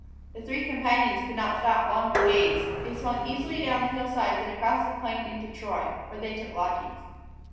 The three companions could not stop long to gaze. They swung easily down the hill sides and across the plain into Troy, where they took lodgings.